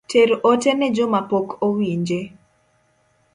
Ter ote ne jomapok owinje